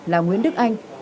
là nguyễn đức anh